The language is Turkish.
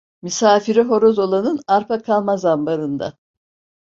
Misafiri horoz olanın, arpa kalmaz ambarında.